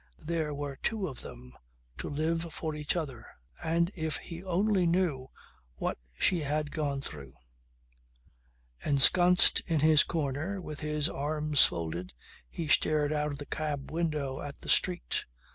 There were two of them, to live for each other. And if he only knew what she had gone through! Ensconced in his corner, with his arms folded, he stared out of the cab window at the street.